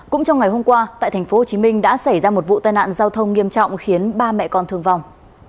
cũng trong ngày hôm qua tại tp hcm đã xảy ra một vụ tai nạn giao thông nghiêm trọng khiến ba mẹ con thương vong